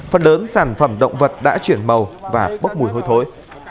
phần lớn sản phẩm động vật đã chuyển màu và bốc mùi hôi thối